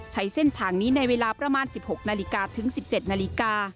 ใช้เส้นทางนี้ในเวลาประมาณ๑๖นาฬิกาถึง๑๗นาฬิกา